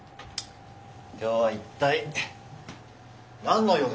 今日は一体何の用ですか？